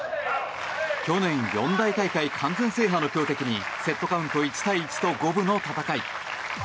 去年四大大会完全制覇の強敵にセットカウント１対１と五分の戦い。